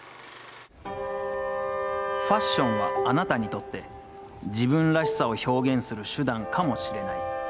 「ファッションはあなたにとって、自分らしさを表現する手段かもしれない。